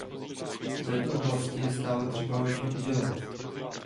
V této oblasti je stále třeba hodně udělat.